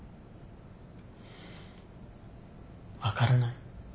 分からない。